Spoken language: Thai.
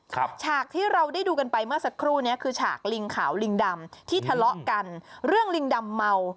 ฉากที่เราได้ดูกันไปเมื่อสักครู่เนี้ยคือฉากลิงขาวลิงดำที่ทะเลาะกันเรื่องลิงดำเมา